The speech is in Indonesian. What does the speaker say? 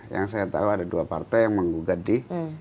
yang saya tahu ada dua partai yang menggugati